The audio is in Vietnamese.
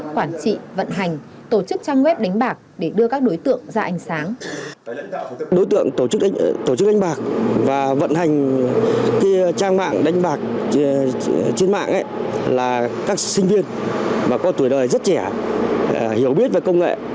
quản trị vận hành tổ chức trang web đánh bạc để đưa các đối tượng ra ánh sáng